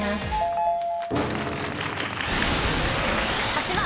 ８番！